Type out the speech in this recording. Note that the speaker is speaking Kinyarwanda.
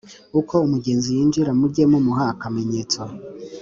uko umugenzi yinjira mujye mumuha akamenyetso